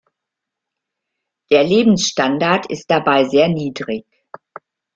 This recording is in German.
Der Lebensstandard ist dabei sehr niedrig.